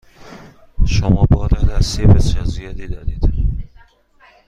شما بار دستی بسیار زیادی دارید.